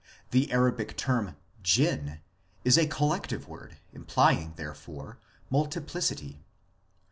The Arabic term Jinn is a collective word implying, therefore, multiplicity.